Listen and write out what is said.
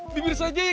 bibir saja yang gede